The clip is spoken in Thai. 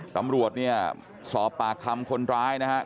ตำรวจเนี่ยสอบปากคำคนร้ายนะครับ